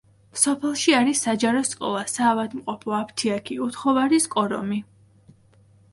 სოფელში არის საჯარო სკოლა, საავადმყოფო, აფთიაქი, უთხოვარის კორომი.